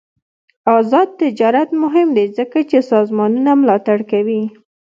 آزاد تجارت مهم دی ځکه چې سازمانونه ملاتړ کوي.